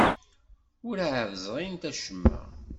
Werɛad ẓrint acemma.